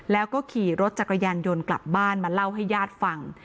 แล้วก็ขี่รถจักรยานยนต์กลับบ้านมาเล่าให้ญาติฟัง